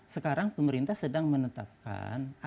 sekarang pemerintah sedang menetapkan